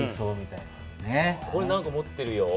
これ何か持ってるよ。